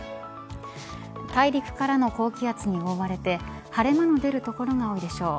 大陸からの高気圧に覆われて晴れ間の出る所が多いでしょう。